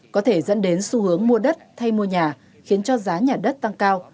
có thể dẫn đến xu hướng mua đất hay mua nhà khiến cho giá nhà đất tăng cao